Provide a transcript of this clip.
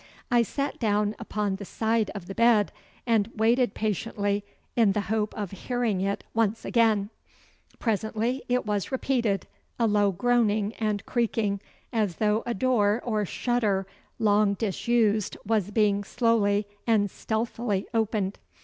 I sat down upon the side of the bed and waited patiently in the hope of hearing it once again. Presently it was repeated, a low groaning and creaking as though a door or shutter long disused was being slowly and stealthily opened.